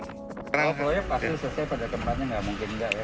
kalau proyek pasti selesai pada tempatnya nggak mungkin nggak ya